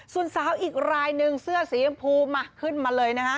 ส่วนสาวอีกรายหนึ่งเสื้อสีชมพูมาขึ้นมาเลยนะฮะ